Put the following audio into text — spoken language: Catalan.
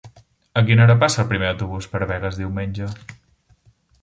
A quina hora passa el primer autobús per Begues diumenge?